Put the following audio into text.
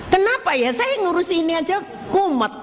kenapa ya saya ngurus ini aja umat